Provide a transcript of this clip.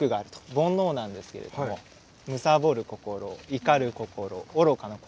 煩悩なんですけれどもむさぼる心怒る心愚かな心。